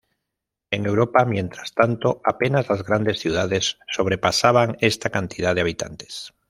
En Europa, mientras tanto, apenas las grandes ciudades sobrepasaban esta cantidad de habitantes.